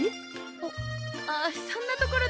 あああそんなところです。